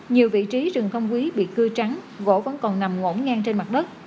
nhiều vị trí rừng không quý bị cưa trắng gỗ vẫn còn nằm ngổn ngang trên mặt đất